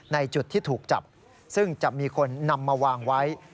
ในจุดที่ถูกจับซึ่งจะมีคนนำมาวางไว้